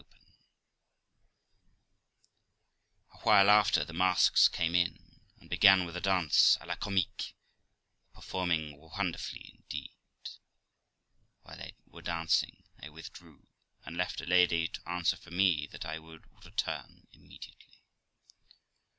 296 THE LIFE OF ROXANA A while after, the masks came in, and began with a dance '3 la comique, performing wonderfully indeed. While they were dancing I withdrew, and left a lady to answer for me that I would return immediately.